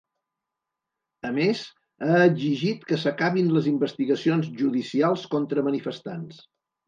A més, ha exigit que s’acabin les investigacions judicials contra manifestants.